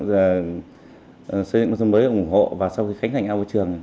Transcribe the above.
xây dựng nông dân mới ủng hộ và sau khi khánh thành ao vệ trường